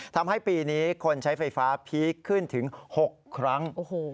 ทำให้ปีนี้คนใช้ไฟฟ้าพีคขึ้นถึง๖ครั้ง